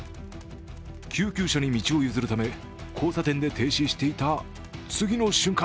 救急車に道を譲るため交差点で停止していた次の瞬間。